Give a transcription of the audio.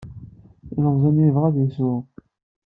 Ilemẓi-nni yebɣa ad isew.